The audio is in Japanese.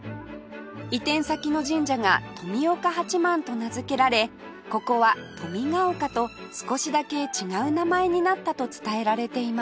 移転先の神社が富岡八幡と名付けられここは富賀岡と少しだけ違う名前になったと伝えられています